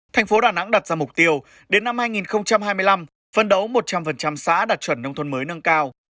thành phố đà nẵng đặt ra mục tiêu đến năm hai nghìn hai mươi năm phân đấu một trăm linh xã đạt chuẩn nông thôn mới nâng cao